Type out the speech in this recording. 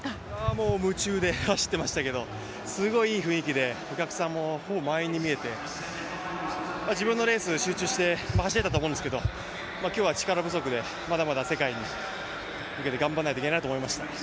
もう夢中で走っていましたけれども、すごいいい雰囲気で、お客さんもほぼ満員に見えて自分のレース集中して走れたと思うんですけど今日は力不足でまだまだ世界に向けて頑張らないといけないと思いました。